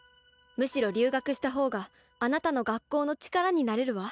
むしろ留学した方があなたの学校の力になれるわ。